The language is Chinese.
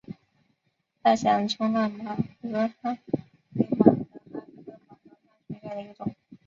大西洋冲浪马珂蛤为马珂蛤科马珂蛤属下的一个种。